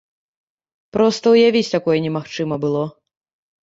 Проста ўявіць такое немагчыма было!